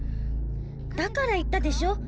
だから言ったでしょ。